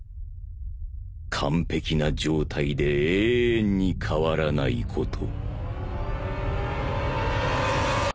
「完璧な状態で永遠に変わらないこと」